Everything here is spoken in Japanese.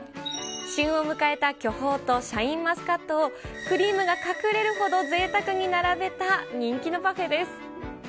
旬を迎えた巨峰とシャインマスカットを、クリームが隠れるほどぜいたくに並べた人気のパフェです。